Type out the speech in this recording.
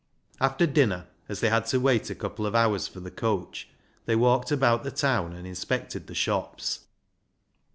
After dinner, as they had to wait a couple of hours for the coach, they walked about the town and inspected the shops.